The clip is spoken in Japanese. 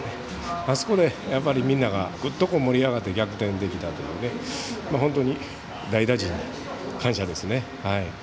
あそこでみんながグッと盛り上がって逆転できたということで本当に代打陣に感謝ですね。